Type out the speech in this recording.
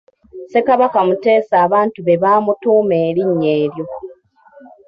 Ssekabaka Muteesa abantu be baamutuuma erinnya eryo.